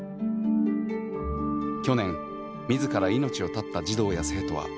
去年自ら命を絶った児童や生徒は５１４人。